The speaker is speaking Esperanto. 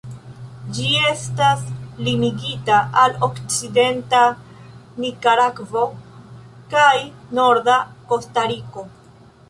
Ĝi estas limigita al okcidenta Nikaragvo kaj norda Kostariko.